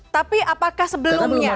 tapi apakah sebelumnya